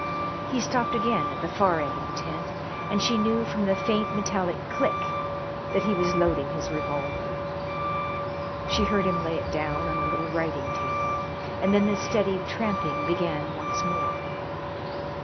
He stopped again at the far end of the tent, and she knew from the faint metallic click that he was loading his revolver. She heard him lay it down on the little writing table, and then the steady tramping began once more.